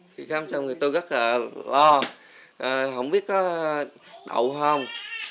khi khám xong thì tôi rất là lo không biết có đậu không